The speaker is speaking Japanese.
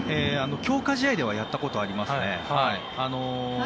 強化試合ではやったことありますね。